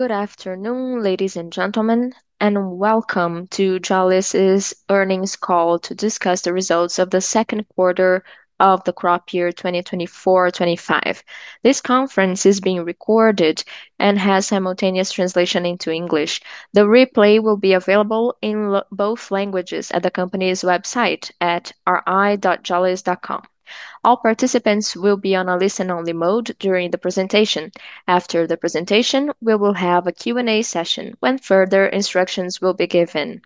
Good afternoon, ladies and gentlemen, and welcome to Jalles' earnings call to discuss the results of the Q2 of the crop year, 2024-25. This conference is being recorded and has simultaneous translation into English. The replay will be available in both languages at the company's website at ri.jalles.com. All participants will be on a listen-only mode during the presentation. After the presentation, we will have a Q&A session when further instructions will be given.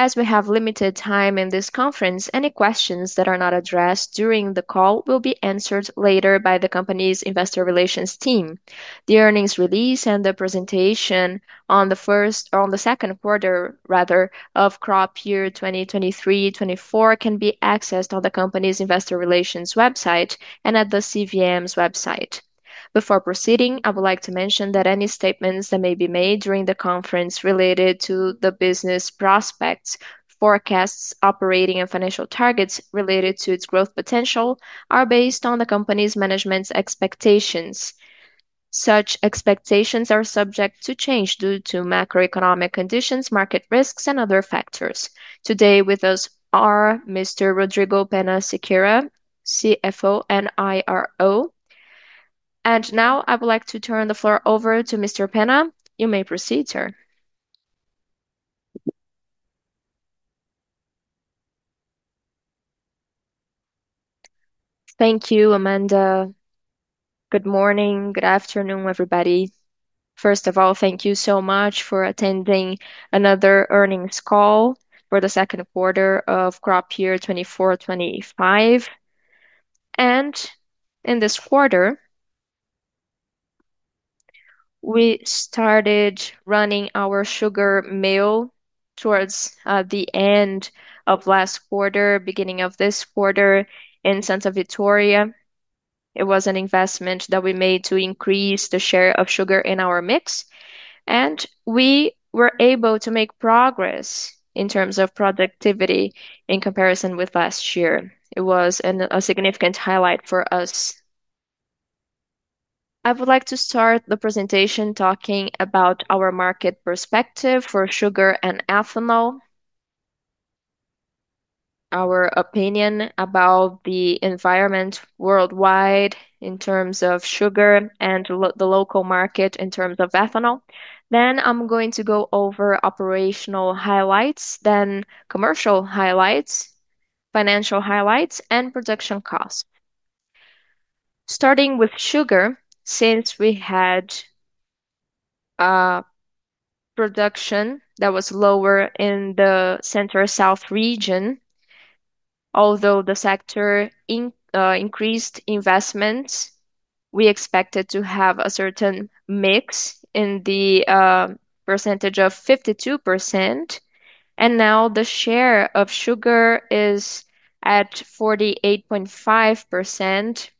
As we have limited time in this conference, any questions that are not addressed during the call will be answered later by the company's investor relations team. The earnings release and the presentation on the Q2, rather, of crop year 2023-24 can be accessed on the company's investor relations website and at the CVM's website. Before proceeding, I would like to mention that any statements that may be made during the conference related to the business prospects, forecasts, operating, and financial targets related to its growth potential are based on the company's management's expectations. Such expectations are subject to change due to macroeconomic conditions, market risks, and other factors. Today with us are Mr. Rodrigo Penna de Siqueira, CFO and IRO. Now I would like to turn the floor over to Mr. Penna. You may proceed, sir. Thank you, Amanda. Good morning. Good afternoon, everybody. First of all, thank you so much for attending another earnings call for the Q2 of crop year 2024-2025. In this quarter, we started running our sugar mill towards the end of last quarter, beginning of this quarter in Santa Vitória. It was an investment that we made to increase the share of sugar in our mix, and we were able to make progress in terms of productivity in comparison with last year. It was a significant highlight for us. I would like to start the presentation talking about our market perspective for sugar and ethanol, our opinion about the environment worldwide in terms of sugar and the local market in terms of ethanol. Then I'm going to go over operational highlights, then commercial highlights, financial highlights, and production costs. Starting with sugar, since we had production that was lower in the Center-South region, although the sector increased investments, we expected to have a certain mix in the percentage of 52%, and now the share of sugar is at 48.5%.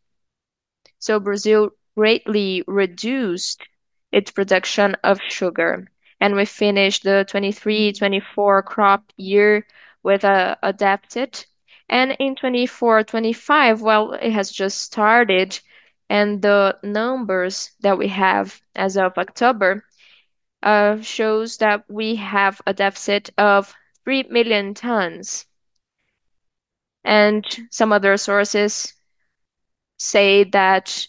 So Brazil greatly reduced its production of sugar, and we finished the 2023-2024 crop year with a deficit. In 2024-2025, well, it has just started. The numbers that we have as of October show that we have a deficit of three million tons. Some other sources say that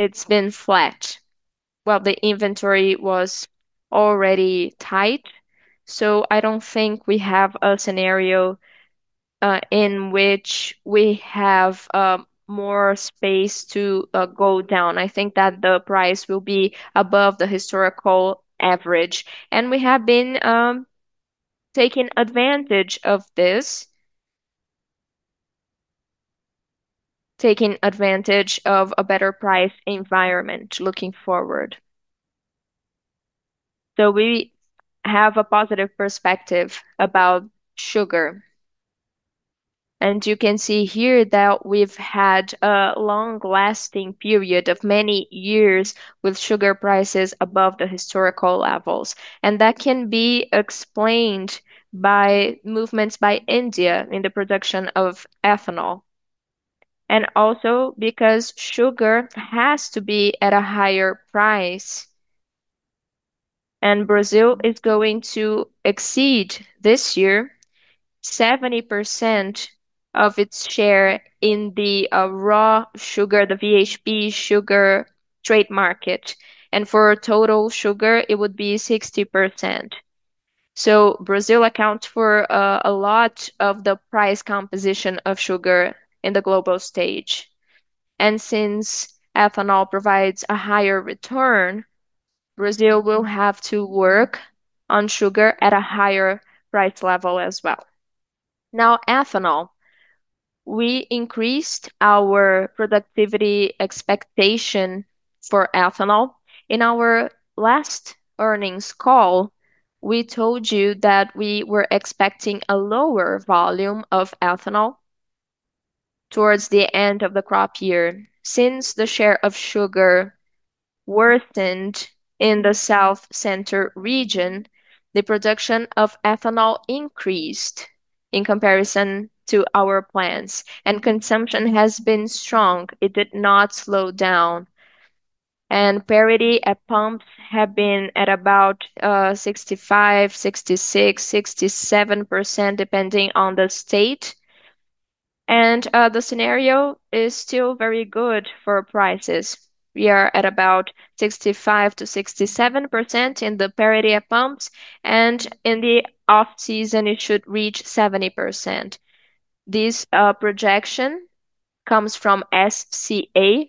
it's been flat. The inventory was already tight. I don't think we have a scenario in which we have more space to go down. I think that the price will be above the historical average. We have been taking advantage of this, taking advantage of a better price environment looking forward. We have a positive perspective about sugar. You can see here that we've had a long-lasting period of many years with sugar prices above the historical levels. That can be explained by movements by India in the production of ethanol. Also because sugar has to be at a higher price. And Brazil is going to exceed this year 70% of its share in the raw sugar, the VHP sugar trade market. And for total sugar, it would be 60%. So Brazil accounts for a lot of the price composition of sugar in the global stage. And since ethanol provides a higher return, Brazil will have to work on sugar at a higher price level as well. Now, ethanol, we increased our productivity expectation for ethanol. In our last earnings call, we told you that we were expecting a lower volume of ethanol towards the end of the crop year. Since the share of sugar worsened in the Center-South region, the production of ethanol increased in comparison to our plants. And consumption has been strong. It did not slow down. And parity at pumps have been at about 65%, 66%, 67%, depending on the state. The scenario is still very good for prices. We are at about 65%-67% in the parity at pumps. In the off-season, it should reach 70%. This projection comes from SCA.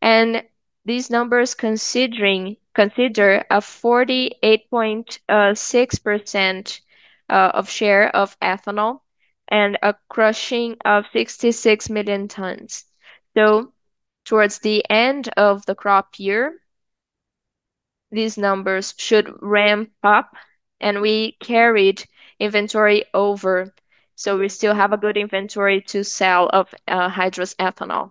These numbers consider a 48.6% share of ethanol and a crushing of 66 million tons. Towards the end of the crop year, these numbers should ramp up. We carried inventory over. We still have a good inventory to sell of hydrous ethanol.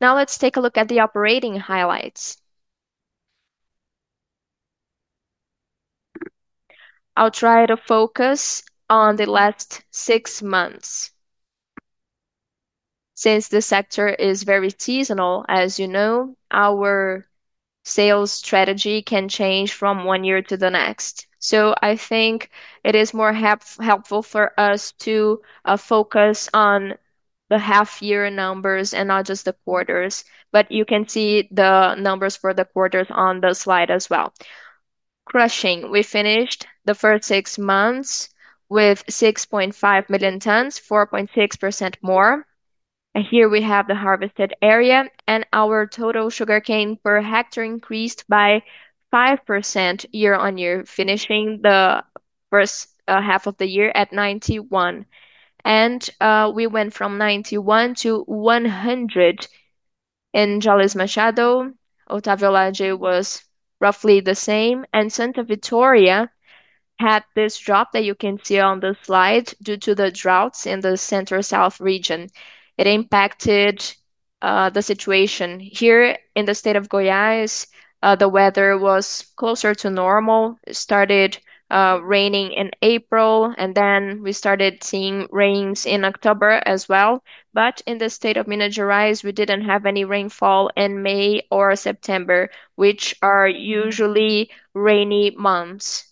Now let's take a look at the operating highlights. I'll try to focus on the last six months. Since the sector is very seasonal, as you know, our sales strategy can change from one year to the next. I think it is more helpful for us to focus on the half-year numbers and not just the quarters. But you can see the numbers for the quarters on the slide as well. Crushing, we finished the first six months with 6.5 million tons, 4.6% more. And here we have the harvested area. And our total sugar cane per hectare increased by 5% year-on-year, finishing the first half of the year at 91. And we went from 91 to 100. In Jalles Machado, Otávio Lage was roughly the same. And Santa Vitória had this drop that you can see on the slide due to the droughts in the Center-South region. It impacted the situation. Here in the state of Goiás, the weather was closer to normal. It started raining in April, and then we started seeing rains in October as well. But in the state of Minas Gerais, we didn't have any rainfall in May or September, which are usually rainy months.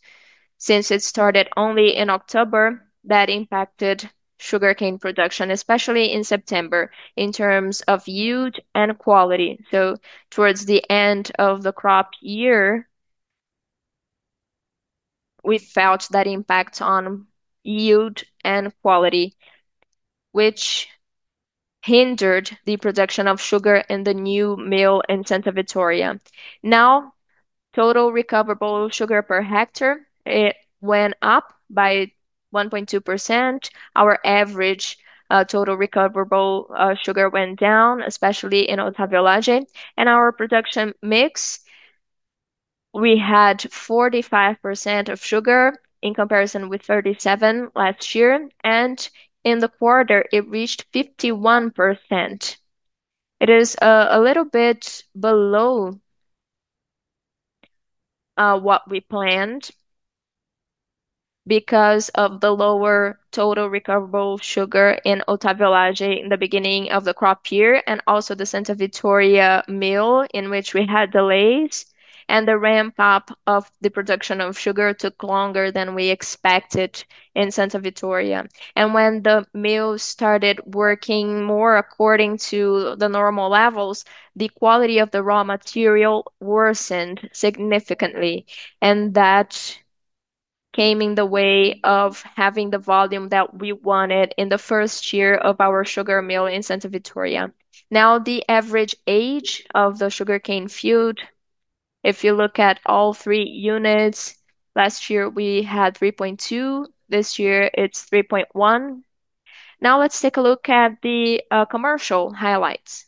Since it started only in October, that impacted sugarcane production, especially in September, in terms of yield and quality, so towards the end of the crop year, we felt that impact on yield and quality, which hindered the production of sugar in the new mill in Santa Vitória. Now, total recoverable sugar per hectare went up by 1.2%. Our average total recoverable sugar went down, especially in Otávio Lage, and our production mix, we had 45% of sugar in comparison with 37% last year, and in the quarter, it reached 51%. It is a little bit below what we planned because of the lower total recoverable sugar in Otávio Lage in the beginning of the crop year, and also the Santa Vitória mill in which we had delays, and the ramp-up of the production of sugar took longer than we expected in Santa Vitória. And when the mill started working more according to the normal levels, the quality of the raw material worsened significantly. And that came in the way of having the volume that we wanted in the first year of our sugar mill in Santa Vitória. Now, the average age of the sugar cane field, if you look at all three units, last year we had 3.2. This year, it's 3.1. Now, let's take a look at the commercial highlights.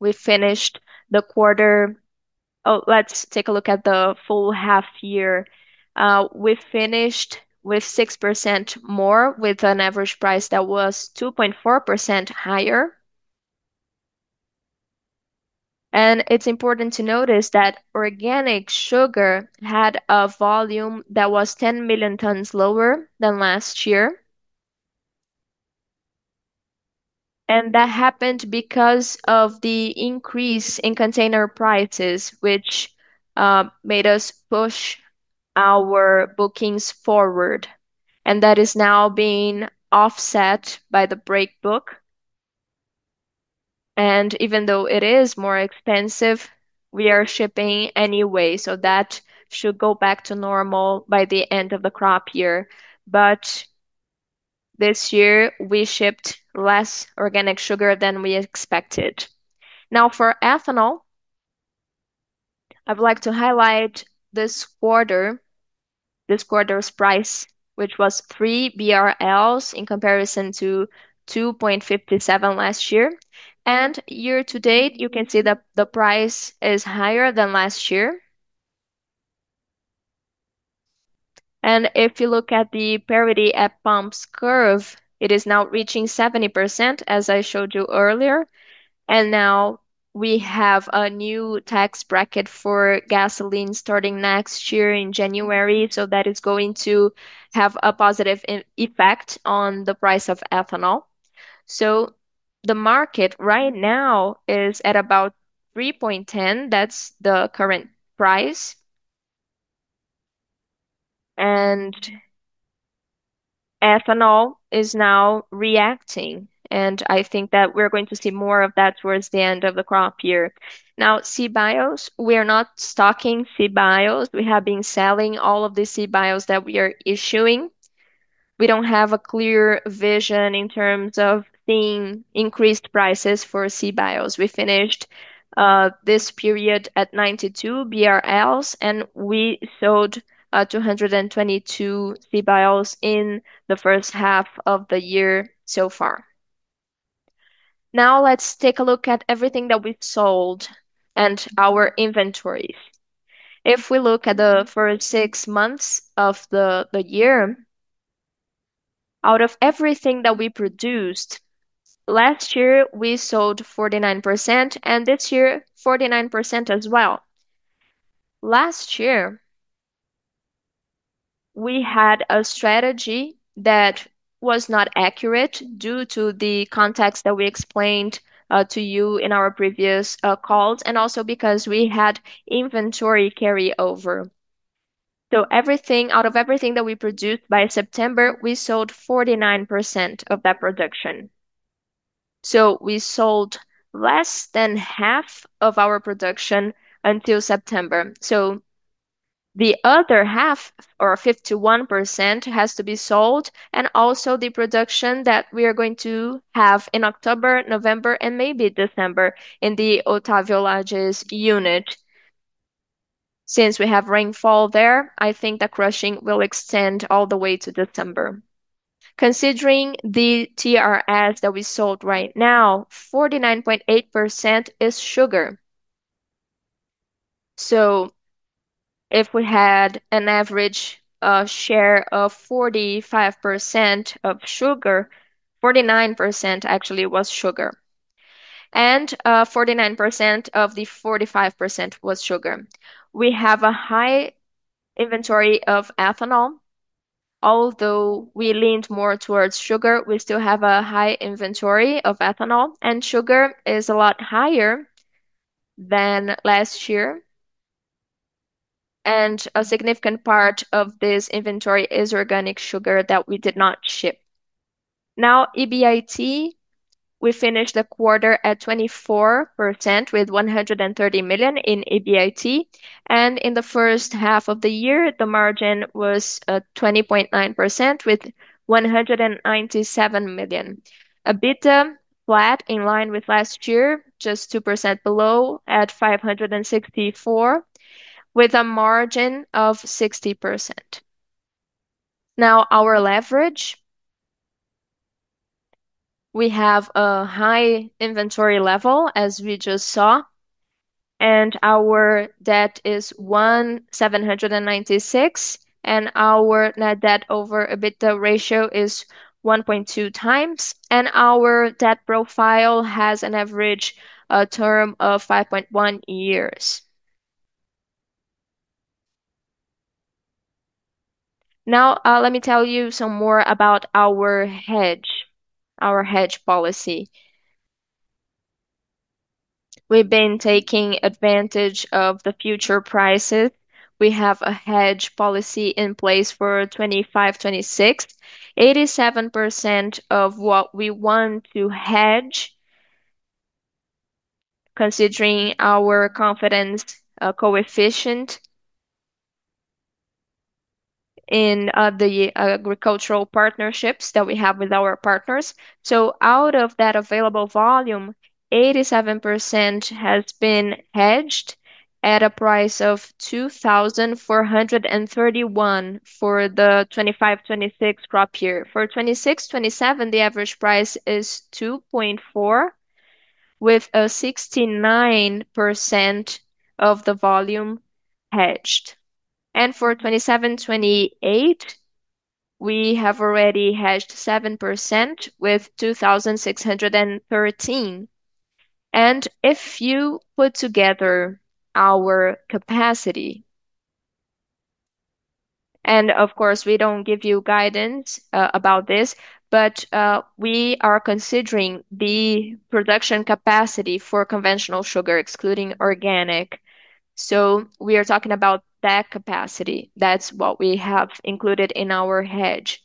We finished the quarter. Oh, let's take a look at the full half-year. We finished with 6% more, with an average price that was 2.4% higher. And it's important to notice that organic sugar had a volume that was 10 million tons lower than last year. And that happened because of the increase in container prices, which made us push our bookings forward. And that is now being offset by the break bulk. Even though it is more expensive, we are shipping anyway. So that should go back to normal by the end of the crop year. But this year, we shipped less organic sugar than we expected. Now, for ethanol, I would like to highlight this quarter's price, which was 3 BRL in comparison to 2.57 BRL last year. And year to date, you can see that the price is higher than last year. And if you look at the parity at pumps curve, it is now reaching 70%, as I showed you earlier. And now we have a new tax bracket for gasoline starting next year in January. So that is going to have a positive effect on the price of ethanol. So the market right now is at about 3.10 BRL. That's the current price. And ethanol is now reacting. I think that we're going to see more of that towards the end of the crop year. Now, sea bios, we are not stocking sea bios. We have been selling all of the sea bios that we are issuing. We don't have a clear vision in terms of seeing increased prices for sea bios. We finished this period at 92 BRL, and we sold 222 sea bios in the first half of the year so far. Now, let's take a look at everything that we sold and our inventories. If we look at the first six months of the year, out of everything that we produced last year, we sold 49%, and this year, 49% as well. Last year, we had a strategy that was not accurate due to the context that we explained to you in our previous calls, and also because we had inventory carryover. Out of everything that we produced by September, we sold 49% of that production. We sold less than half of our production until September. The other half, or 51%, has to be sold. Also the production that we are going to have in October, November, and maybe December in the Otávio Lage's unit. Since we have rainfall there, I think the crushing will extend all the way to December. Considering the TRS that we sold right now, 49.8% is sugar. If we had an average share of 45% of sugar, 49% actually was sugar. 49% of the 45% was sugar. We have a high inventory of ethanol. Although we leaned more towards sugar, we still have a high inventory of ethanol. Sugar is a lot higher than last year. And a significant part of this inventory is organic sugar that we did not ship. Now, EBIT, we finished the quarter at 24% with 130 million in EBIT. And in the first half of the year, the margin was 20.9% with 197 million. A bit flat in line with last year, just 2% below at 564, with a margin of 60%. Now, our leverage, we have a high inventory level, as we just saw. And our debt is 1,796. And our net debt over EBITDA ratio is 1.2 times. And our debt profile has an average term of 5.1 years. Now, let me tell you some more about our hedge, our hedge policy. We've been taking advantage of the future prices. We have a hedge policy in place for 2526. 87% of what we want to hedge, considering our confidence coefficient in the agricultural partnerships that we have with our partners. So out of that available volume, 87% has been hedged at a price of 2,431 for the 2025-2026 crop year. For 2026-2027, the average price is 2.4, with 69% of the volume hedged. For 2027-2028, we have already hedged 7% with 2,613. If you put together our capacity, and of course, we don't give you guidance about this, but we are considering the production capacity for conventional sugar, excluding organic. We are talking about that capacity. That is what we have included in our hedge.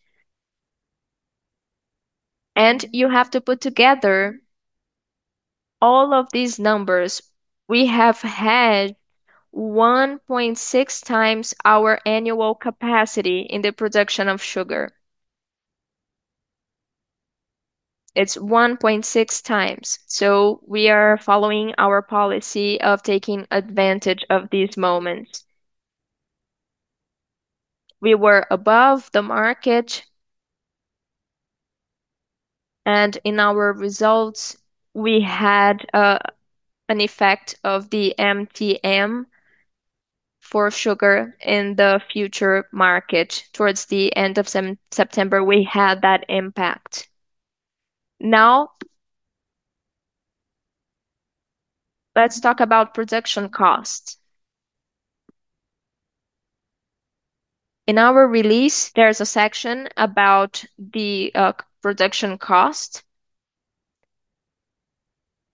You have to put together all of these numbers. We have had 1.6 times our annual capacity in the production of sugar. It is 1.6 times. We are following our policy of taking advantage of these moments. We were above the market. And in our results, we had an effect of the MTM for sugar in the futures market. Towards the end of September, we had that impact. Now, let's talk about production costs. In our release, there's a section about the production cost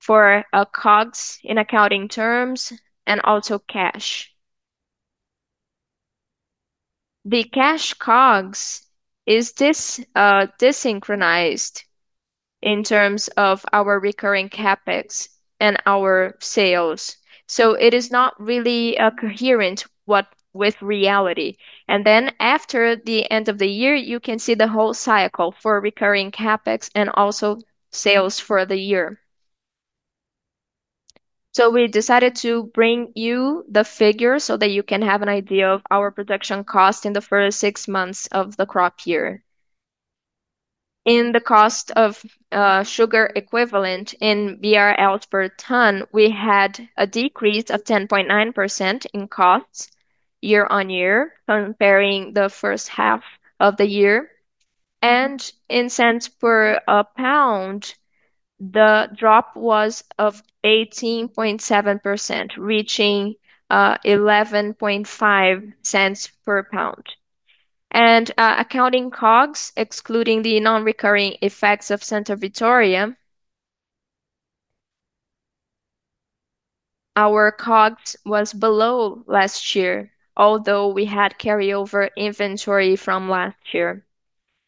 for COGS in accounting terms and also cash. The cash COGS is desynchronized in terms of our recurring CapEx and our sales. So it is not really coherent with reality. And then after the end of the year, you can see the whole cycle for recurring CapEx and also sales for the year. So we decided to bring you the figure so that you can have an idea of our production cost in the first six months of the crop year. In the cost of sugar equivalent in BRLs per ton, we had a decrease of 10.9% in costs year-on-year comparing the first half of the year. And in cents per pound, the drop was of 18.7%, reaching 11.5 cents per pound. And accounting COGS, excluding the non-recurring effects of Santa Vitória, our COGS was below last year, although we had carryover inventory from last year.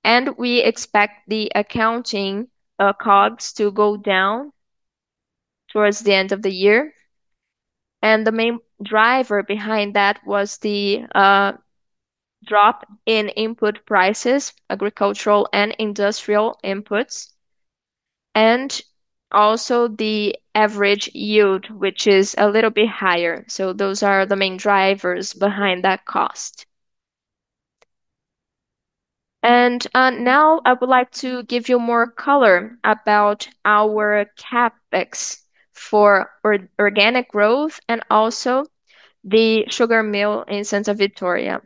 And we expect the accounting COGS to go down towards the end of the year. And the main driver behind that was the drop in input prices, agricultural and industrial inputs, and also the average yield, which is a little bit higher. So those are the main drivers behind that cost. And now I would like to give you more color about our CapEx for organic growth and also the sugar mill in Santa Vitória.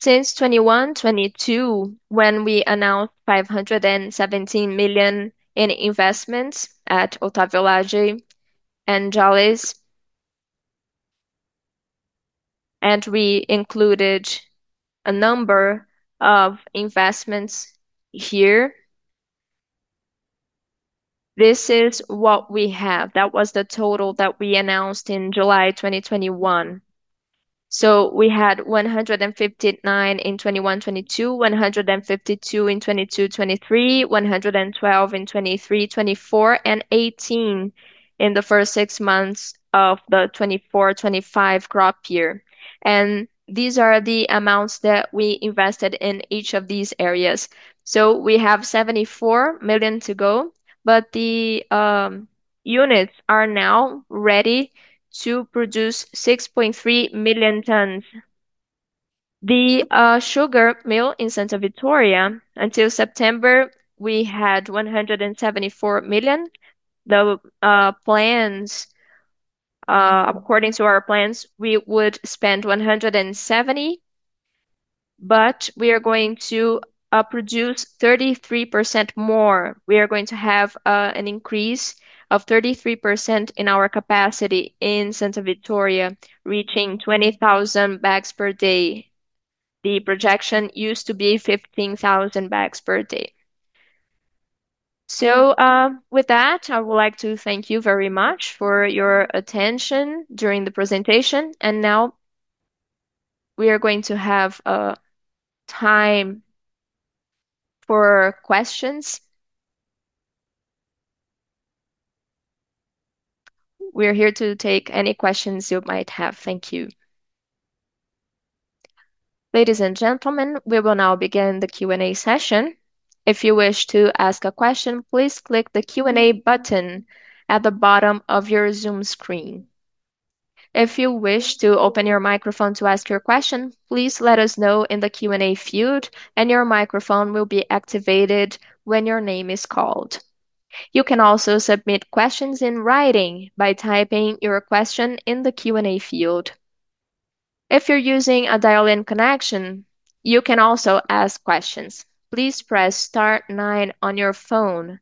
Since 2022, when we announced 517 million in investments at Otávio Lage and Jalles, and we included a number of investments here, this is what we have. That was the total that we announced in July 2021. So we had 159 million in 2022, 152 million in 2023, 112 million in 2024, and 18 million in the first six months of the 2024-2025 crop year. And these are the amounts that we invested in each of these areas. So we have 74 million to go, but the units are now ready to produce 6.3 million tons. The sugar mill in Santa Vitória, until September, we had 174 million. The plans, according to our plans, we would spend 170 million, but we are going to produce 33% more. We are going to have an increase of 33% in our capacity in Santa Vitória, reaching 20,000 bags per day. The projection used to be 15,000 bags per day. So with that, I would like to thank you very much for your attention during the presentation. And now we are going to have time for questions. We're here to take any questions you might have. Thank you. Ladies and gentlemen, we will now begin the Q&A session. If you wish to ask a question, please click the Q&A button at the bottom of your Zoom screen. If you wish to open your microphone to ask your question, please let us know in the Q&A field, and your microphone will be activated when your name is called. You can also submit questions in writing by typing your question in the Q&A field. If you're using a dial-in connection, you can also ask questions. Please press Star 9 on your phone.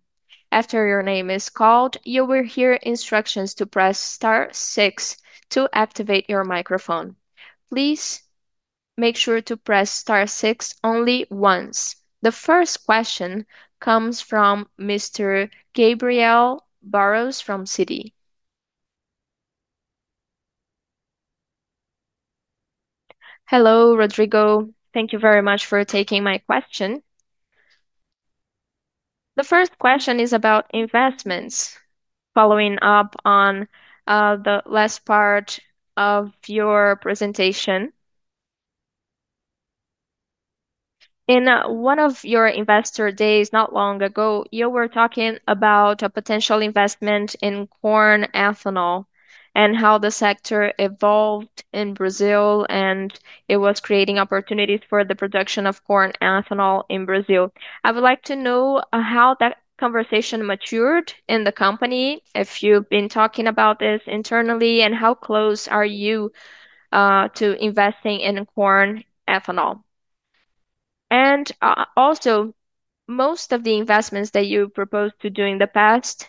After your name is called, you will hear instructions to press Star 6 to activate your microphone. Please make sure to press Star 6 only once. The first question comes from Mr. Gabriel Barros from Citi. Hello, Rodrigo. Thank you very much for taking my question. The first question is about investments, following up on the last part of your presentation. In one of your investor days not long ago, you were talking about a potential investment in corn ethanol and how the sector evolved in Brazil, and it was creating opportunities for the production of corn ethanol in Brazil. I would like to know how that conversation matured in the company, if you've been talking about this internally, and how close are you to investing in corn ethanol. And also, most of the investments that you proposed to do in the past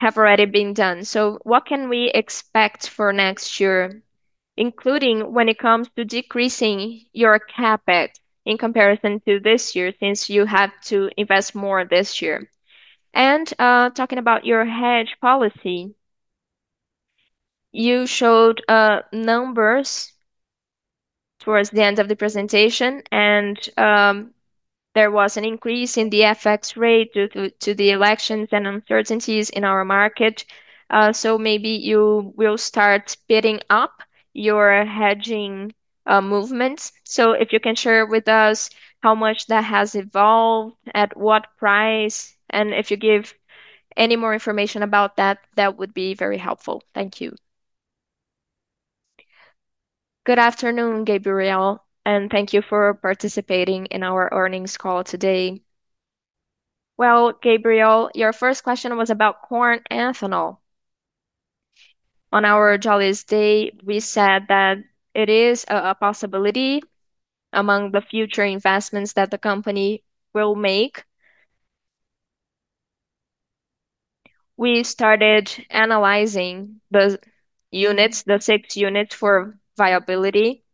have already been done. So what can we expect for next year, including when it comes to decreasing your CapEx in comparison to this year, since you have to invest more this year? And talking about your hedge policy, you showed numbers towards the end of the presentation, and there was an increase in the FX rate due to the elections and uncertainties in our market. So maybe you will start spinning up your hedging movements. So if you can share with us how much that has evolved, at what price, and if you give any more information about that, that would be very helpful. Thank you. Good afternoon, Gabriel, and thank you for participating in our earnings call today. Well, Gabriel, your first question was about corn ethanol. On our Jalles Day, we said that it is a possibility among the future investments that the company will make. We started analyzing the units, the six units for viability,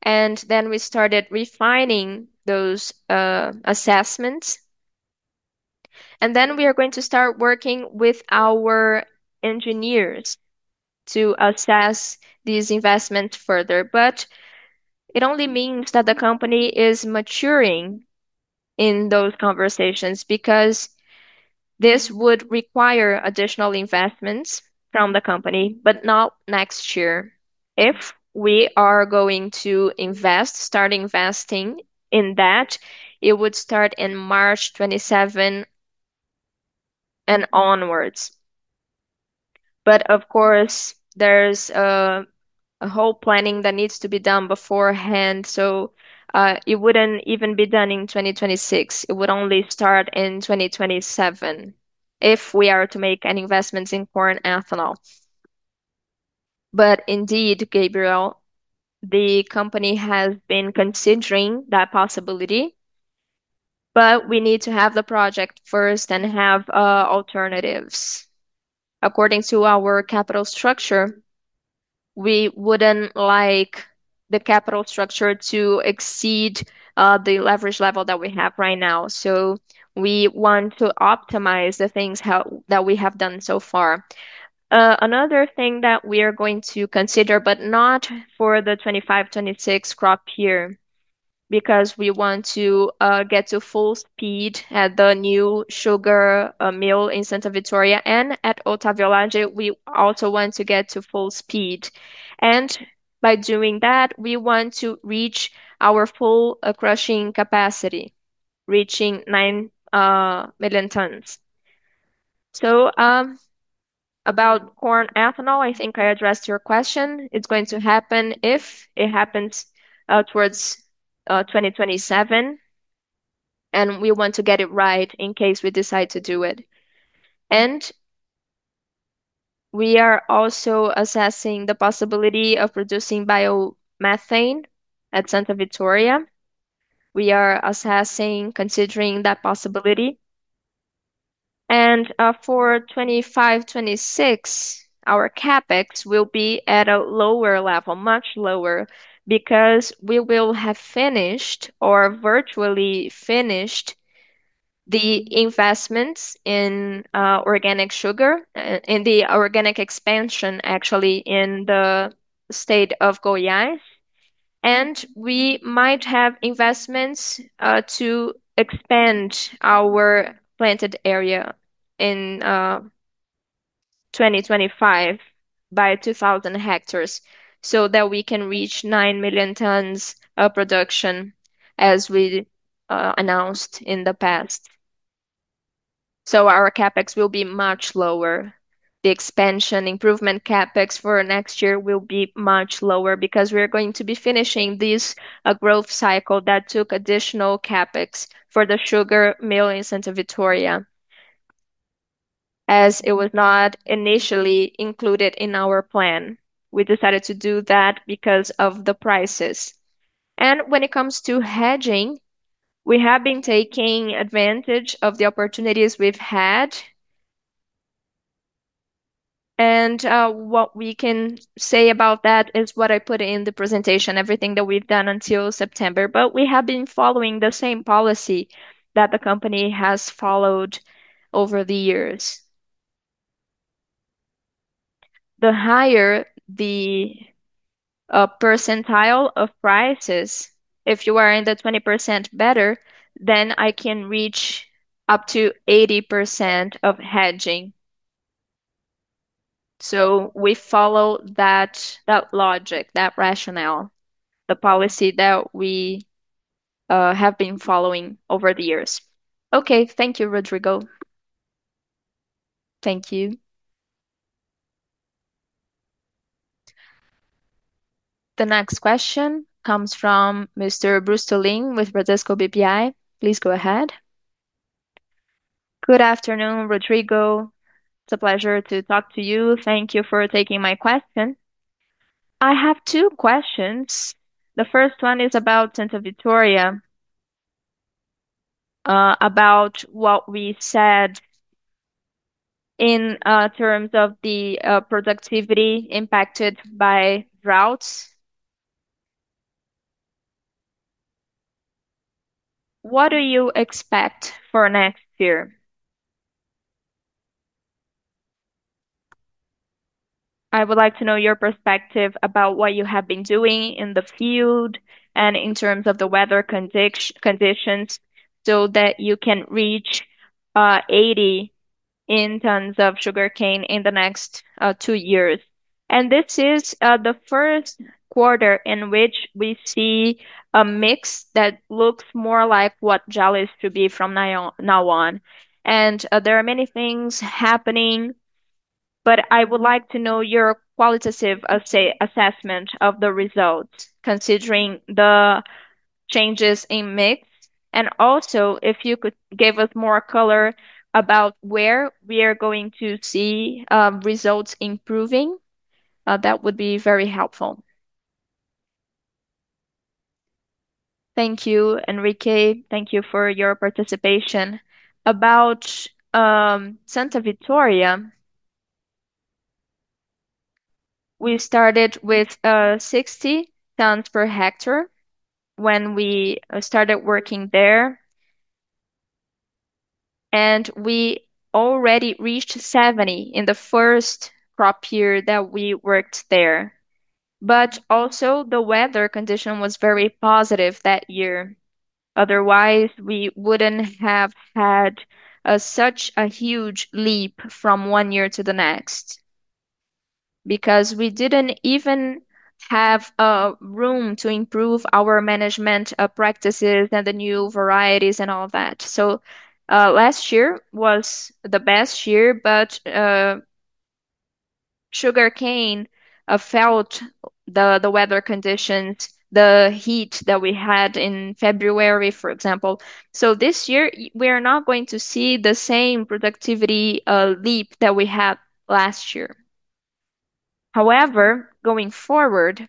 and then we started refining those assessments, and then we are going to start working with our engineers to assess these investments further, but it only means that the company is maturing in those conversations because this would require additional investments from the company, but not next year. If we are going to invest, start investing in that, it would start in March 27 and onwards, but of course, there's a whole planning that needs to be done beforehand, so it wouldn't even be done in 2026. It would only start in 2027 if we are to make an investment in corn ethanol, but indeed, Gabriel, the company has been considering that possibility, but we need to have the project first and have alternatives. According to our capital structure, we wouldn't like the capital structure to exceed the leverage level that we have right now so we want to optimize the things that we have done so far. Another thing that we are going to consider, but not for the 2526 crop year, because we want to get to full speed at the new sugar mill in Santa Vitória and at Otávio Lage. We also want to get to full speed and by doing that, we want to reach our full crushing capacity, reaching nine million tons so about corn ethanol, I think I addressed your question. It's going to happen if it happens towards 2027, and we want to get it right in case we decide to do it and we are also assessing the possibility of producing biomethane at Santa Vitória. We are assessing, considering that possibility. For 2025-26, our CapEx will be at a lower level, much lower, because we will have finished or virtually finished the investments in organic sugar, in the organic expansion, actually, in the state of Goiás. We might have investments to expand our planted area in 2025 by 2,000 hectares so that we can reach 9 million tons of production, as we announced in the past. Our CapEx will be much lower. The expansion improvement CapEx for next year will be much lower because we're going to be finishing this growth cycle that took additional CapEx for the sugar mill in Santa Vitória, as it was not initially included in our plan. We decided to do that because of the prices. When it comes to hedging, we have been taking advantage of the opportunities we've had. And what we can say about that is what I put in the presentation, everything that we've done until September. But we have been following the same policy that the company has followed over the years. The higher the percentile of prices, if you are in the 20% better, then I can reach up to 80% of hedging. So we follow that logic, that rationale, the policy that we have been following over the years. Okay, thank you, Rodrigo. Thank you. The next question comes from Mr. Bruce Tulin with Bradesco BBI. Please go ahead. Good afternoon, Rodrigo. It's a pleasure to talk to you. Thank you for taking my question. I have two questions. The first one is about Santa Vitória, about what we said in terms of the productivity impacted by droughts. What do you expect for next year? I would like to know your perspective about what you have been doing in the field and in terms of the weather conditions so that you can reach 80 tons of sugarcane in the next two years. And this is the Q1 in which we see a mix that looks more like what Jalles should be from now on. And there are many things happening, but I would like to know your qualitative assessment of the results, considering the changes in mix. And also, if you could give us more color about where we are going to see results improving, that would be very helpful. Thank you, Enrique. Thank you for your participation. About Santa Vitória, we started with 60 tons per hectare when we started working there, and we already reached 70 tons in the first crop year that we worked there. But also, the weather condition was very positive that year. Otherwise, we wouldn't have had such a huge leap from one year to the next because we didn't even have room to improve our management practices and the new varieties and all that. So last year was the best year, but sugarcane felt the weather conditions, the heat that we had in February, for example. So this year, we are not going to see the same productivity leap that we had last year. However, going forward,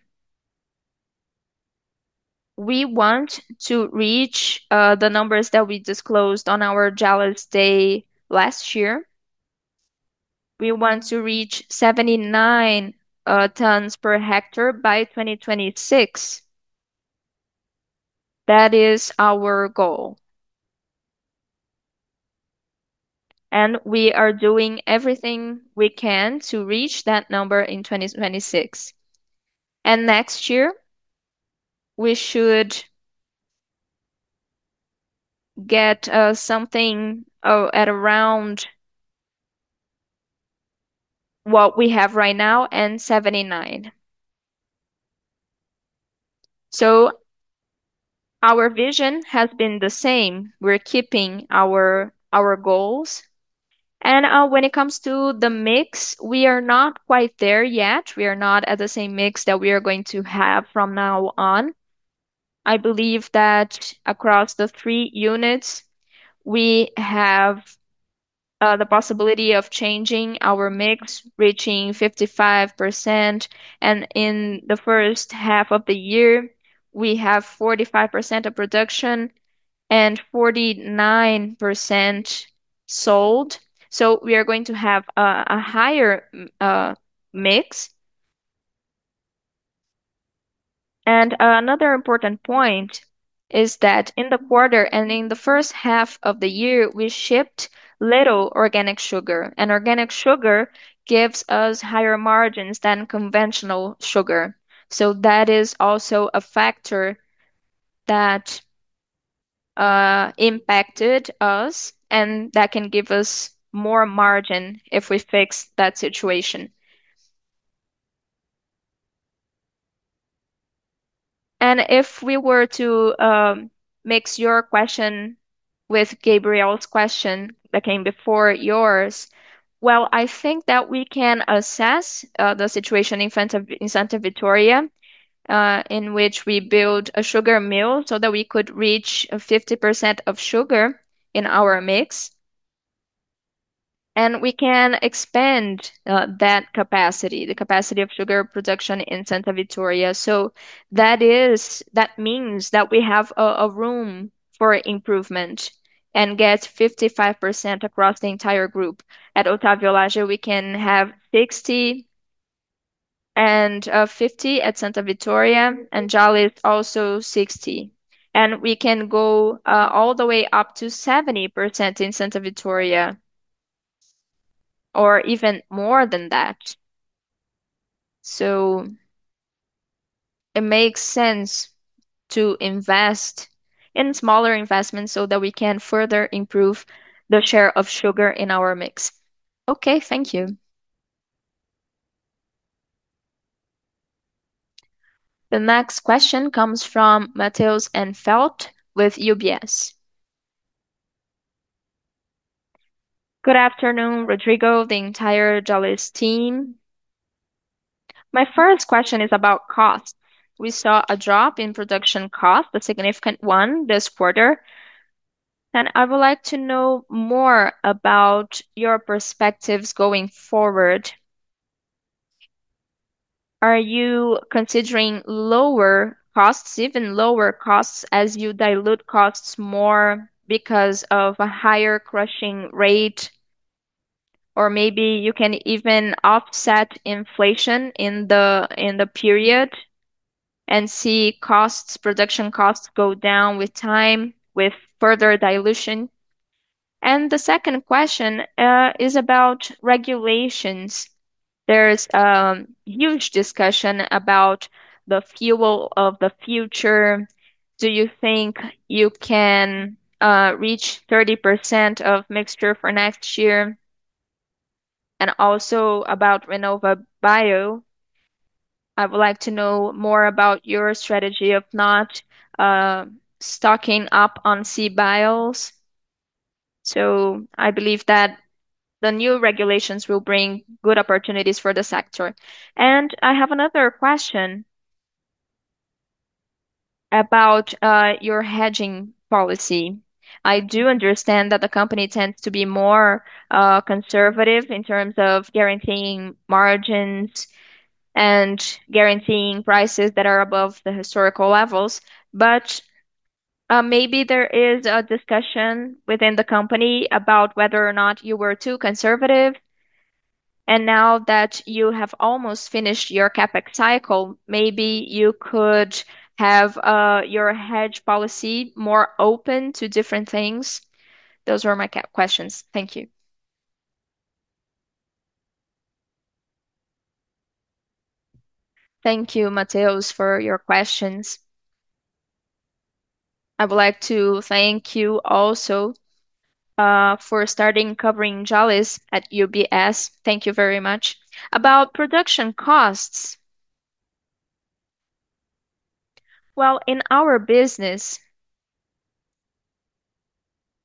we want to reach the numbers that we disclosed on our Jalles Day last year. We want to reach 79 tons per hectare by 2026. That is our goal. And we are doing everything we can to reach that number in 2026. And next year, we should get something at around what we have right now and 79. Our vision has been the same. We're keeping our goals. And when it comes to the mix, we are not quite there yet. We are not at the same mix that we are going to have from now on. I believe that across the three units, we have the possibility of changing our mix, reaching 55%. And in the first half of the year, we have 45% of production and 49% sold. So we are going to have a higher mix. And another important point is that in the quarter and in the first half of the year, we shipped little organic sugar. And organic sugar gives us higher margins than conventional sugar. So that is also a factor that impacted us, and that can give us more margin if we fix that situation. And if we were to mix your question with Gabriel's question that came before yours, well, I think that we can assess the situation in Santa Vitória in which we build a sugar mill so that we could reach 50% of sugar in our mix. And we can expand that capacity, the capacity of sugar production in Santa Vitória. So that means that we have a room for improvement and get 55% across the entire group. At Otávio Lage, we can have 60% and 50% at Santa Vitória, and Jalles also 60%. And we can go all the way up to 70% in Santa Vitória or even more than that. So it makes sense to invest in smaller investments so that we can further improve the share of sugar in our mix. Okay, thank you. The next question comes from Matheus Enfeldt with UBS. Good afternoon, Rodrigo, the entire Jalles team. My first question is about costs. We saw a drop in production costs, a significant one this quarter. And I would like to know more about your perspectives going forward. Are you considering lower costs, even lower costs as you dilute costs more because of a higher crushing rate? Or maybe you can even offset inflation in the period and see production costs go down with time with further dilution. And the second question is about regulations. There's a huge discussion about the Fuel of the Future. Do you think you can reach 30% of mixture for next year? And also about RenovaBio, I would like to know more about your strategy of not stocking up on CBIOs. So I believe that the new regulations will bring good opportunities for the sector. And I have another question about your hedging policy. I do understand that the company tends to be more conservative in terms of guaranteeing margins and guaranteeing prices that are above the historical levels. But maybe there is a discussion within the company about whether or not you were too conservative. And now that you have almost finished your CapEx cycle, maybe you could have your hedge policy more open to different things. Those were my questions. Thank you. Thank you, Matheus, for your questions. I would like to thank you also for starting covering Jalles at UBS. Thank you very much. About production costs, well, in our business,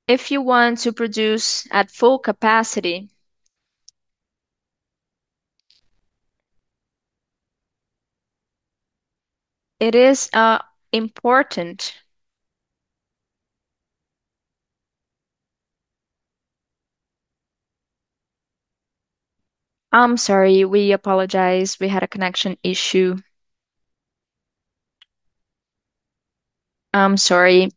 if you want to produce at full capacity, it is important. I'm sorry, we apologize. We had a connection issue. I'm sorry.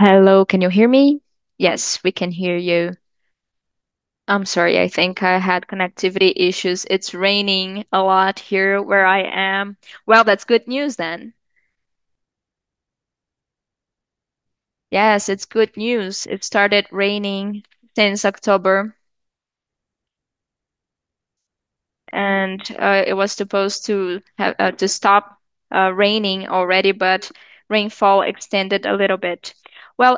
Hello, can you hear me? Yes, we can hear you. I'm sorry, I think I had connectivity issues. It's raining a lot here where I am. That's good news then. Yes, it's good news. It started raining since October and it was supposed to stop raining already, but rainfall extended a little bit.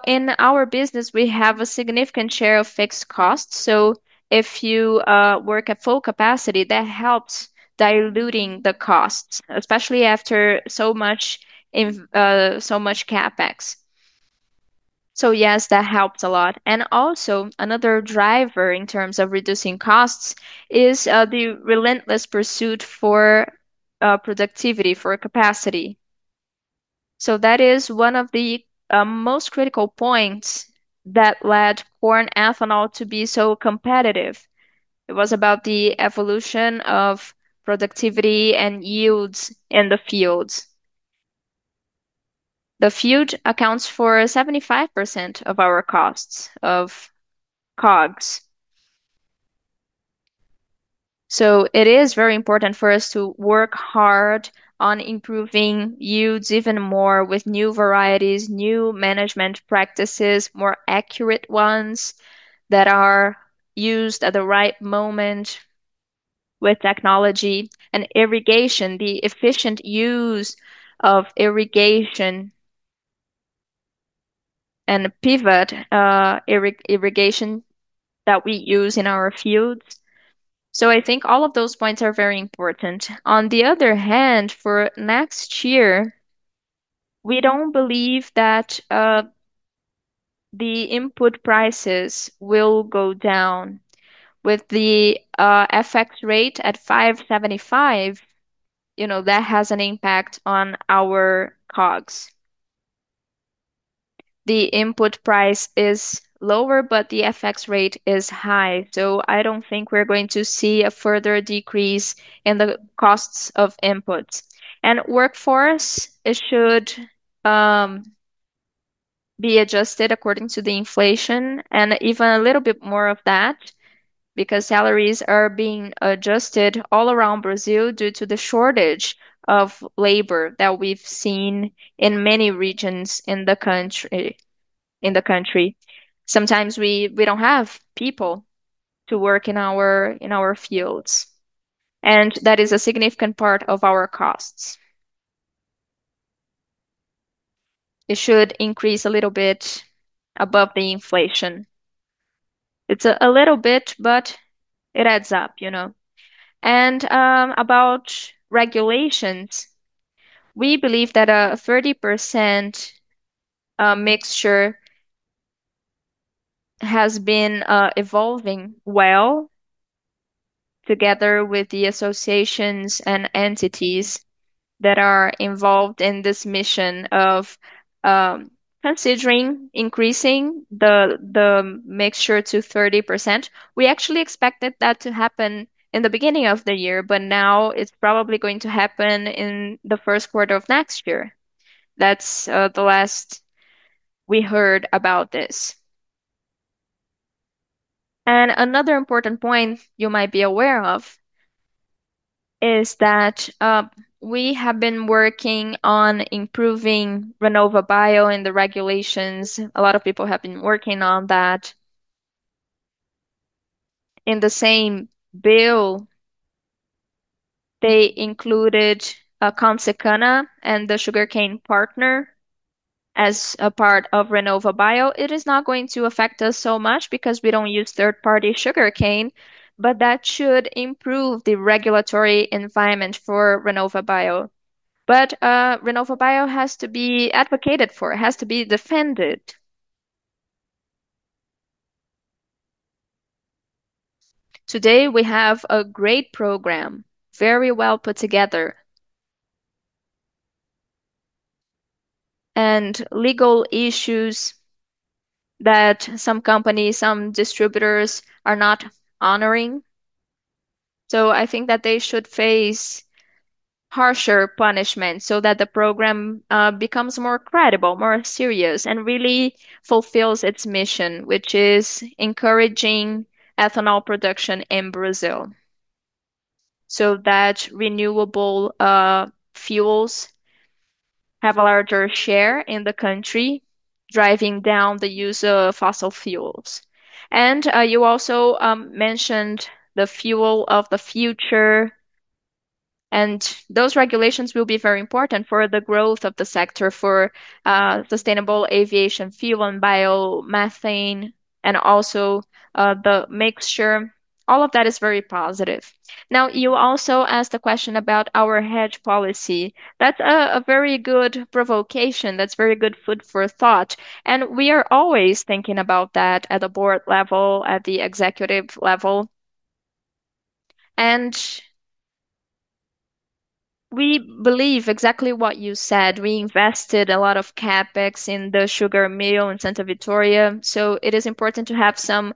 In our business, we have a significant share of fixed costs, so if you work at full capacity, that helps diluting the costs, especially after so much CapEx, so yes, that helps a lot and also, another driver in terms of reducing costs is the relentless pursuit for productivity, for capacity, so that is one of the most critical points that led corn ethanol to be so competitive. It was about the evolution of productivity and yields in the fields. The field accounts for 75% of our costs of COGS. It is very important for us to work hard on improving yields even more with new varieties, new management practices, more accurate ones that are used at the right moment with technology, and irrigation, the efficient use of irrigation and pivot irrigation that we use in our fields. I think all of those points are very important. On the other hand, for next year, we don't believe that the input prices will go down. With the FX rate at 5.75, that has an impact on our COGS. The input price is lower, but the FX rate is high. I don't think we're going to see a further decrease in the costs of inputs. Workforce should be adjusted according to the inflation and even a little bit more of that because salaries are being adjusted all around Brazil due to the shortage of labor that we've seen in many regions in the country. Sometimes we don't have people to work in our fields. That is a significant part of our costs. It should increase a little bit above the inflation. It's a little bit, but it adds up. About regulations, we believe that a 30% mixture has been evolving well together with the associations and entities that are involved in this mission of considering increasing the mixture to 30%. We actually expected that to happen in the beginning of the year, but now it's probably going to happen in the Q1 of next year. That's the last we heard about this. Another important point you might be aware of is that we have been working on improving RenovaBio in the regulations. A lot of people have been working on that. In the same bill, they included Consecana and the sugarcane planters as a part of RenovaBio. It is not going to affect us so much because we don't use third-party sugarcane, but that should improve the regulatory environment for RenovaBio. But RenovaBio has to be advocated for. It has to be defended. Today, we have a great program, very well put together, and legal issues that some companies, some distributors are not honoring. I think that they should face harsher punishment so that the program becomes more credible, more serious, and really fulfills its mission, which is encouraging ethanol production in Brazil so that renewable fuels have a larger share in the country, driving down the use of fossil fuels. You also mentioned the Fuel of the Future. Those regulations will be very important for the growth of the sector, for sustainable aviation fuel and biomethane, and also the mixture. All of that is very positive. Now, you also asked a question about our hedge policy. That's a very good provocation. That's very good food for thought. We are always thinking about that at the board level, at the executive level. We believe exactly what you said. We invested a lot of CapEx in the sugar mill in Santa Vitória. So it is important to have some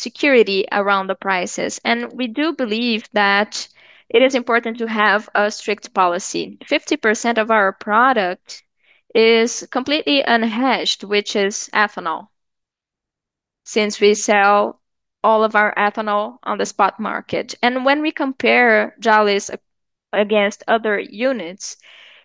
security around the prices. And we do believe that it is important to have a strict policy. 50% of our product is completely unhedged, which is ethanol, since we sell all of our ethanol on the spot market. And when we compare Jalles against other units,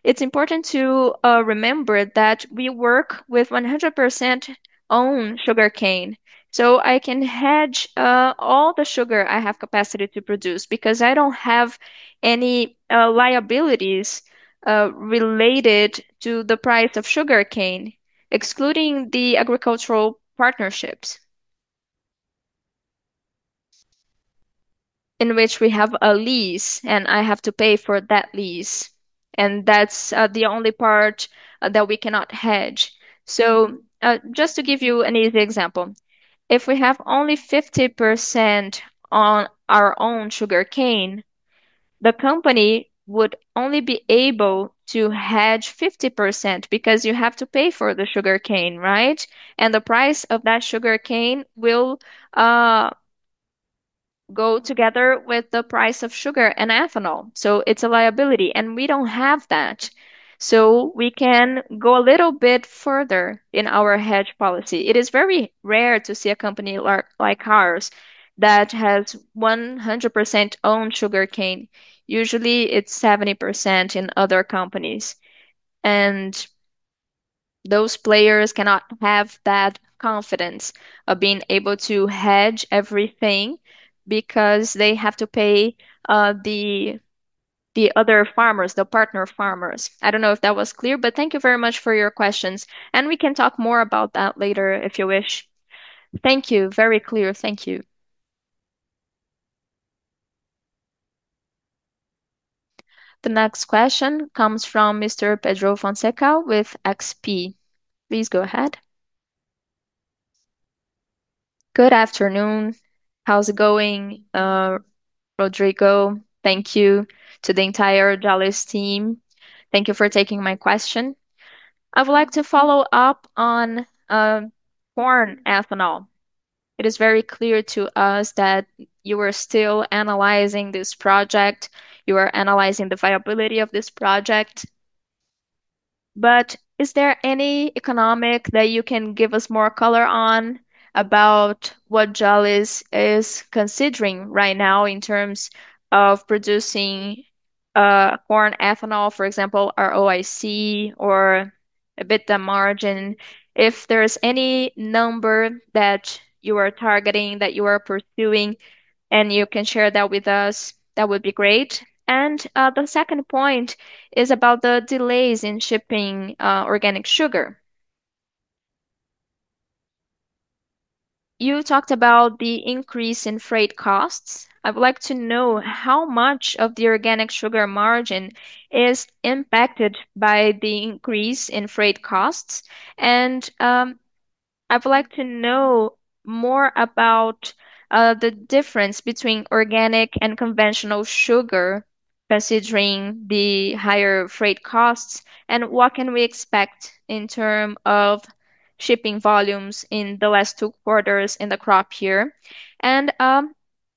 it's important to remember that we work with 100% own sugarcane. So I can hedge all the sugar I have capacity to produce because I don't have any liabilities related to the price of sugarcane, excluding the agricultural partnerships in which we have a lease, and I have to pay for that lease. And that's the only part that we cannot hedge. So just to give you an easy example, if we have only 50% on our own sugarcane, the company would only be able to hedge 50% because you have to pay for the sugarcane, right? And the price of that sugarcane will go together with the price of sugar and ethanol. So it's a liability, and we don't have that. So we can go a little bit further in our hedge policy. It is very rare to see a company like ours that has 100% own sugarcane. Usually, it's 70% in other companies. And those players cannot have that confidence of being able to hedge everything because they have to pay the other farmers, the partner farmers. I don't know if that was clear, but thank you very much for your questions. And we can talk more about that later if you wish. Thank you. Very clear. Thank you. The next question comes from Mr. Pedro Fonseca with XP. Please go ahead. Good afternoon. How's it going, Rodrigo? Thank you to the entire Jalles team. Thank you for taking my question.I would like to follow up on corn ethanol. It is very clear to us that you are still analyzing this project. You are analyzing the viability of this project. But is there any economics that you can give us more color on about what Jalles is considering right now in terms of producing corn ethanol, for example, or EBITDA or about the margin? If there's any number that you are targeting, that you are pursuing, and you can share that with us, that would be great. And the second point is about the delays in shipping organic sugar. You talked about the increase in freight costs. I would like to know how much of the organic sugar margin is impacted by the increase in freight costs. And I would like to know more about the difference between organic and conventional sugar considering the higher freight costs, and what can we expect in terms of shipping volumes in the last two quarters in the crop year. And I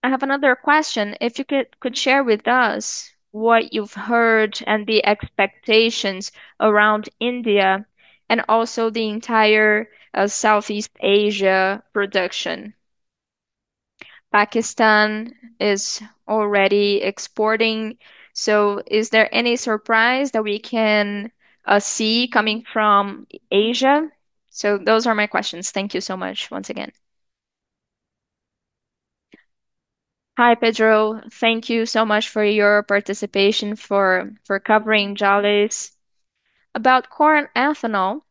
have another question. If you could share with us what you've heard and the expectations around India and also the entire Southeast Asia production. Pakistan is already exporting. So is there any surprise that we can see coming from Asia? So those are my questions. Thank you so much once again. Hi, Pedro. Thank you so much for your participation for covering Jalles. About corn ethanol,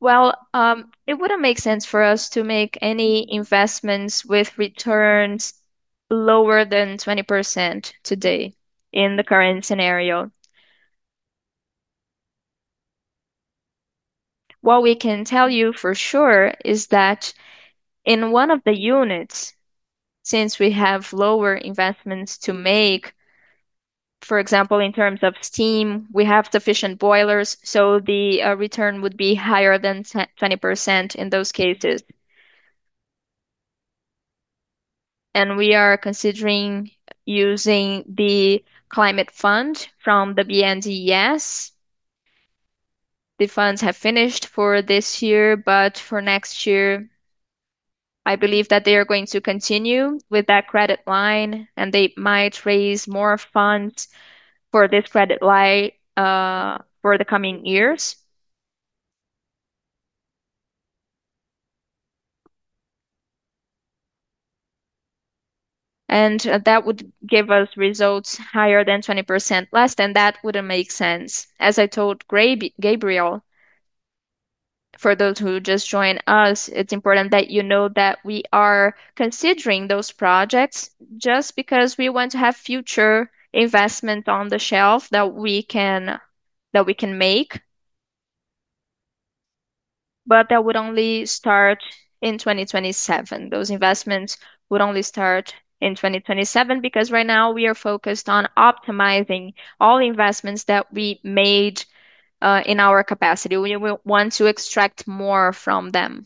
well, it wouldn't make sense for us to make any investments with returns lower than 20% today in the current scenario. What we can tell you for sure is that in one of the units, since we have lower investments to make, for example, in terms of steam, we have sufficient boilers, so the return would be higher than 20% in those cases, and we are considering using the climate fund from the BNDES. The funds have finished for this year, but for next year, I believe that they are going to continue with that credit line, and they might raise more funds for this credit line for the coming years, and that would give us results higher than 20% less, and that wouldn't make sense. As I told Gabriel, for those who just joined us, it's important that you know that we are considering those projects just because we want to have future investment on the shelf that we can make, but that would only start in 2027. Those investments would only start in 2027 because right now we are focused on optimizing all investments that we made in our capacity. We want to extract more from them.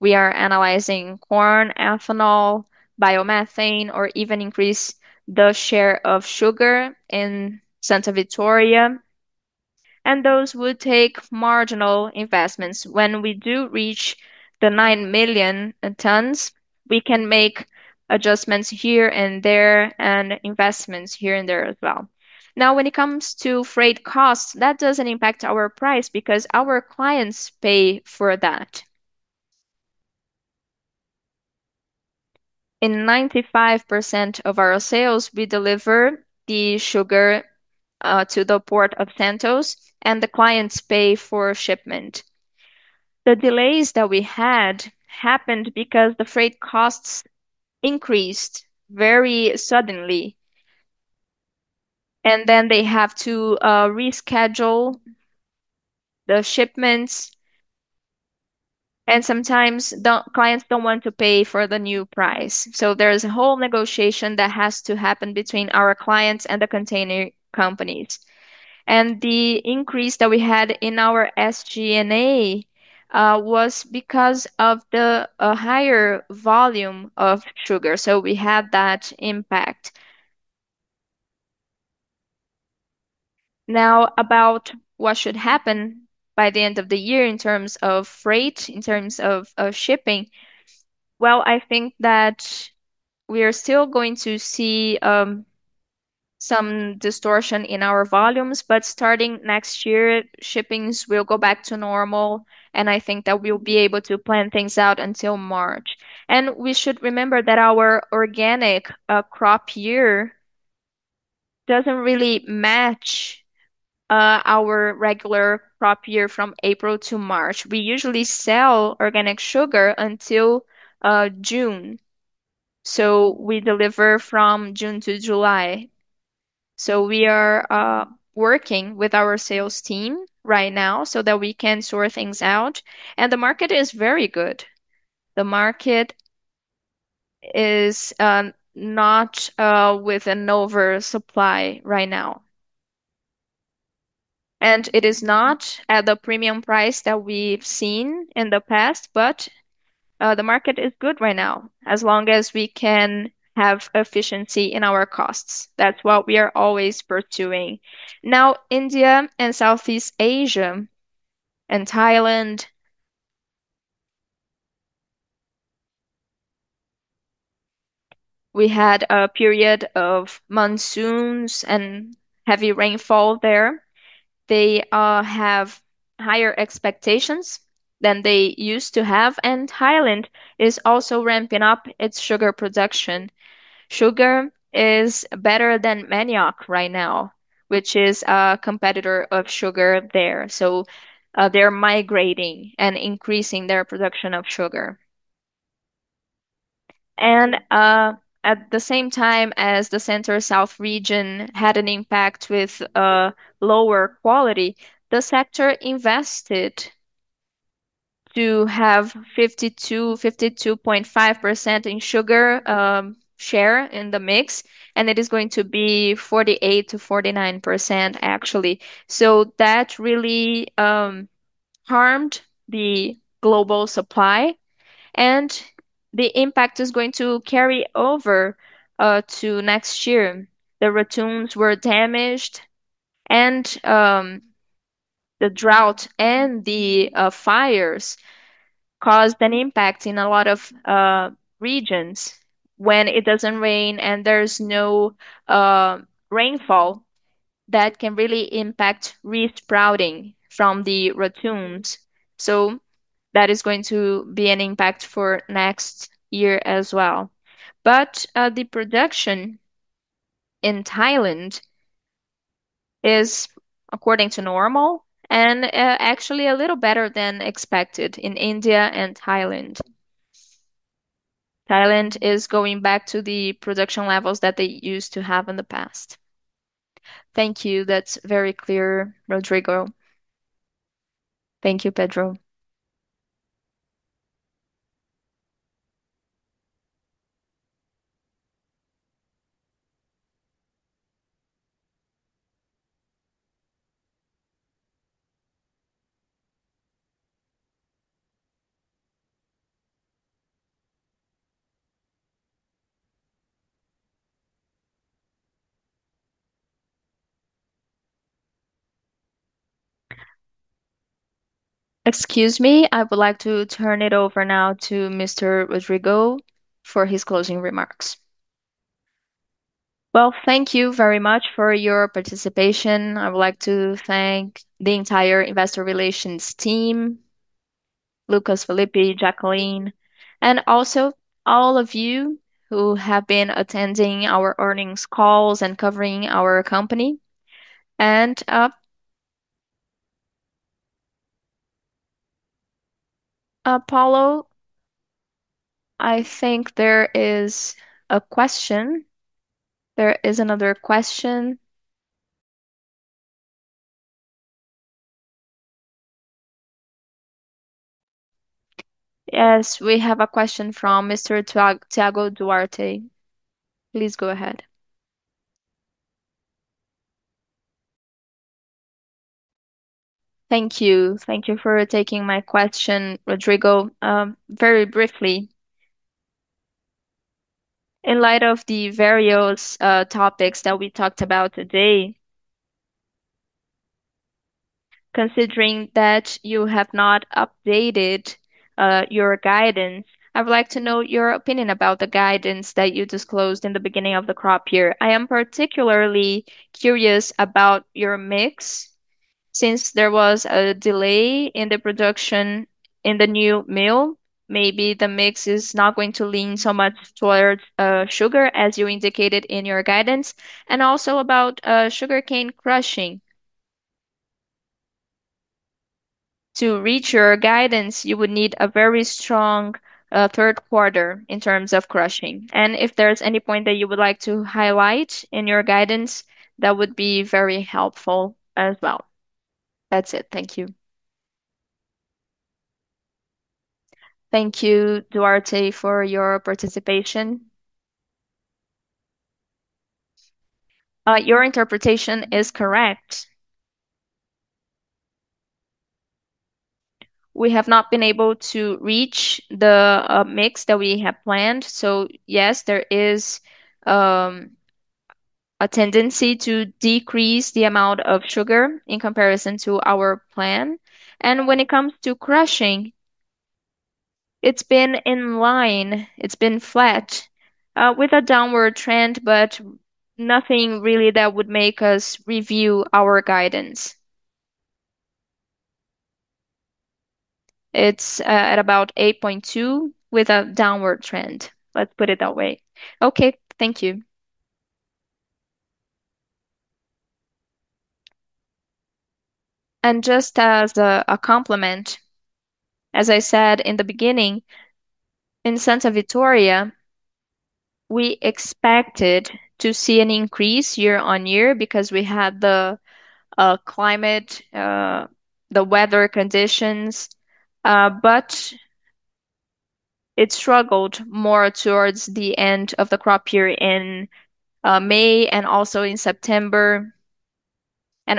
We are analyzing corn ethanol, biomethane, or even increase the share of sugar in Santa Vitória. Those would take marginal investments. When we do reach the nine million tons, we can make adjustments here and there and investments here and there as well. Now, when it comes to freight costs, that doesn't impact our price because our clients pay for that. In 95% of our sales, we deliver the sugar to the Port of Santos, and the clients pay for shipment. The delays that we had happened because the freight costs increased very suddenly, and then they have to reschedule the shipments. Sometimes clients don't want to pay for the new price. There's a whole negotiation that has to happen between our clients and the container companies. The increase that we had in our SG&A was because of the higher volume of sugar. We had that impact. Now, about what should happen by the end of the year in terms of freight, in terms of shipping, well, I think that we are still going to see some distortion in our volumes, but starting next year, shippings will go back to normal. I think that we'll be able to plan things out until March. We should remember that our organic crop year doesn't really match our regular crop year from April to March. We usually sell organic sugar until June. We deliver from June to July. We are working with our sales team right now so that we can sort things out. The market is very good. The market is not with an oversupply right now. It is not at the premium price that we've seen in the past, but the market is good right now as long as we can have efficiency in our costs. That's what we are always pursuing. Now, India and Southeast Asia and Thailand, we had a period of monsoons and heavy rainfall there. They have higher expectations than they used to have. Thailand is also ramping up its sugar production. Sugar is better than Manioc right now, which is a competitor of sugar there. So they're migrating and increasing their production of sugar. At the same time as the Center-South region had an impact with lower quality, the sector invested to have 52.5% in sugar share in the mix, and it is going to be 48%-49%, actually. So that really harmed the global supply. And the impact is going to carry over to next year. The ratoons were damaged, and the drought and the fires caused an impact in a lot of regions when it doesn't rain and there's no rainfall that can really impact re-sprouting from the ratoons. So that is going to be an impact for next year as well. But the production in Thailand is, according to normal, and actually a little better than expected in India and Thailand. Thailand is going back to the production levels that they used to have in the past. Thank you. That's very clear, Rodrigo. Thank you, Pedro. Excuse me. I would like to turn it over now to Mr. Rodrigo for his closing remarks. Well, thank you very much for your participation. I would like to thank the entire investor relations team, Lucas, Felipe, Jacqueline, and also all of you who have been attending our earnings calls and covering our company. And also, I think there is a question. There is another question. Yes, we have a question from Mr. Thiago Duarte. Please go ahead. Thank you. Thank you for taking my question, Rodrigo. Very briefly, in light of the various topics that we talked about today, considering that you have not updated your guidance, I would like to know your opinion about the guidance that you disclosed in the beginning of the crop year. I am particularly curious about your mix since there was a delay in the production in the new mill. Maybe the mix is not going to lean so much towards sugar, as you indicated in your guidance. And also about sugarcane crushing. To reach your guidance, you would need a very strong Q3 in terms of crushing. And if there's any point that you would like to highlight in your guidance, that would be very helpful as well. That's it. Thank you. Thank you, Duarte, for your participation. Your interpretation is correct. We have not been able to reach the mix that we have planned. So yes, there is a tendency to decrease the amount of sugar in comparison to our plan. And when it comes to crushing, it's been in line. It's been flat with a downward trend, but nothing really that would make us review our guidance. It's at about 8.2 with a downward trend. Let's put it that way. Okay. Thank you. Just as a complement, as I said in the beginning, in Santa Vitória, we expected to see an increase year on year because we had the climate, the weather conditions, but it struggled more towards the end of the crop year in May and also in September, and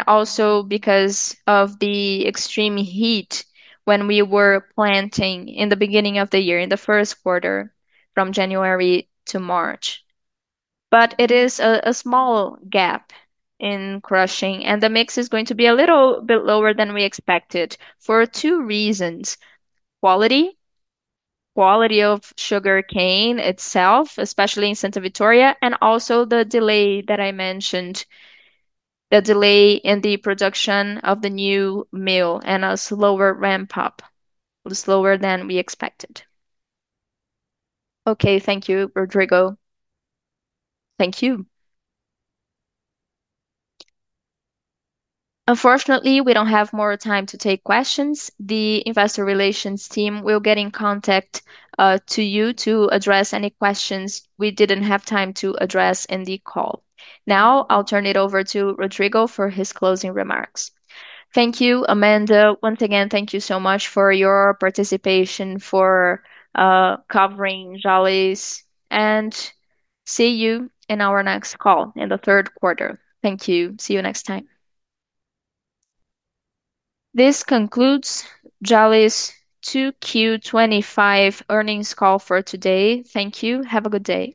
also because of the extreme heat when we were planting in the beginning of the year, in the Q1 from January to March. But it is a small gap in crushing, and the mix is going to be a little bit lower than we expected for two reasons: quality, quality of sugarcane itself, especially in Santa Vitória, and also the delay that I mentioned, the delay in the production of the new mill and a slower ramp-up, slower than we expected. Okay. Thank you, Rodrigo. Thank you. Unfortunately, we don't have more time to take questions. The investor relations team will get in contact with you to address any questions we didn't have time to address in the call. Now, I'll turn it over to Rodrigo for his closing remarks. Thank you, Amanda. Once again, thank you so much for your participation for covering Jalles. And see you in our next call in the Q3. Thank you. See you next time. This concludes Jalles 2Q25 earnings call for today. Thank you. Have a good day.